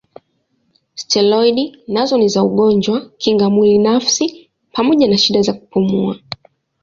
Steroidi nazo ni za ugonjwa kinga mwili nafsi pamoja na shida za kupumua.